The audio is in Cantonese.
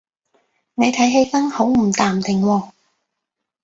你睇起身好唔淡定喎